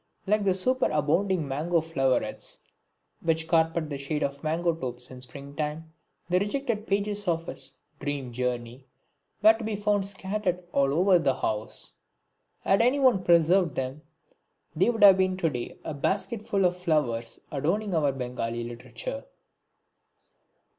Like the superabounding mango flowerets which carpet the shade of the mango topes in spring time, the rejected pages of his "Dream Journey" were to be found scattered all over the house. Had anyone preserved them they would have been to day a basketful of flowers adorning our Bengali literature.